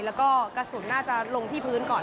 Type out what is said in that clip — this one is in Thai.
แล้วก็กระสุนน่าจะลงที่พื้นก่อน